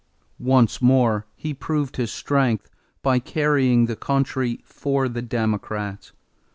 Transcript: Once more he proved his strength by carrying the country for the Democrats.